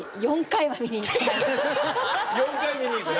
４回見に行くな？